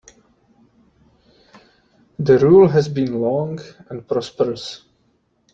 The rule has been long and prosperous.